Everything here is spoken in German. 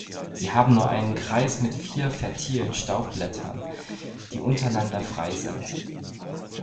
Sie haben nur einen Kreis mit vier fertilen Staubblättern, die untereinander frei sind.